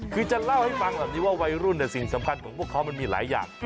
คือจะเล่าให้ฟังแบบนี้ว่าวัยรุ่นสิ่งสำคัญของพวกเขามันมีหลายอย่าง